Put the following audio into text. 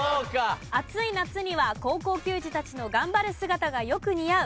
暑い夏には高校球児たちの頑張る姿がよく似合う。